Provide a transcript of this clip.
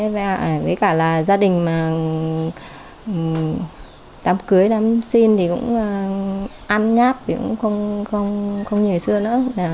với cả là gia đình mà đám cưới đám xin thì cũng ăn nháp không như ngày xưa nữa